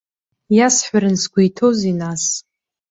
Иасҳәаран сгәы иҭоузеи, нас?